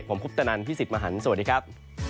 ผมคุปตนันพี่สิทธิ์มหันฯสวัสดีครับ